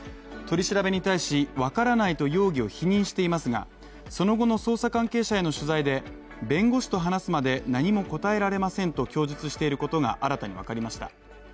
取り調べに対し、分からないと容疑を否認していますがその後の捜査関係者への取材で弁護士と話すまで何も答えられませんと供述していることが新たに分かりました。